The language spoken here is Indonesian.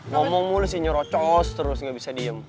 ngomong mulu sih nyerocos terus gak bisa diem